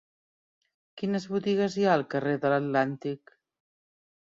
Quines botigues hi ha al carrer de l'Atlàntic?